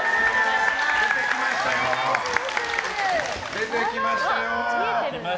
出てきましたよ！